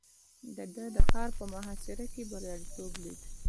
ده د ښار په محاصره کې برياليتوب ليد.